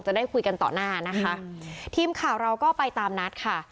จะได้คุยกันต่อหน้านะคะทีมข่าวเราก็ไปตามนัดค่ะ